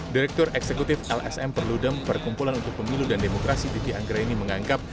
direktur eksekutif lsm perludem perkumpulan untuk pemilu dan demokrasi dt anggera ini menganggap